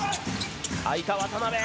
空いた渡邊！